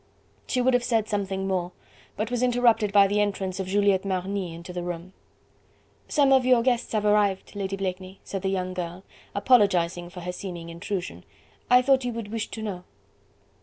She would have said something more, but was interrupted by the entrance of Juliette Marny into the room. "Some of your guests have arrived, Lady Blakeney," said the young girl, apologising for her seeming intrusion. "I thought you would wish to know."